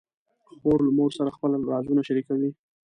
خور له مور سره خپل رازونه شریکوي.